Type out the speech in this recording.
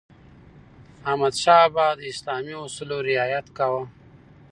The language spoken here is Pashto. احمدشاه بابا د اسلامي اصولو رعایت کاوه.